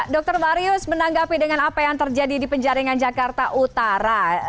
dr marius menanggapi dengan apa yang terjadi di penjaringan jakarta utara